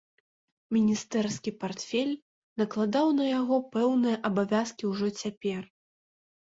Міністэрскі партфель накладаў на яго пэўныя абавязкі ўжо цяпер.